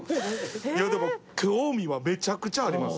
いやでも興味はめちゃくちゃあります。